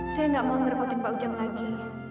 saya gak mau ngerepotin pak ujan lagi